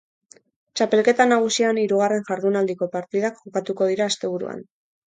Txapelketa nagusian hirugarren jardunaldiko partidak jokatuko dira asteburuan.